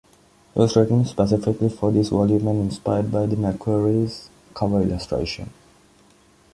It was written specifically for this volume and inspired by the McQuarrie cover illustration.